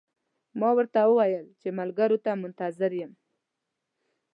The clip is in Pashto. ما ورته وویل چې ملګرو ته منتظر یم.